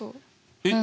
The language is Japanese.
えっ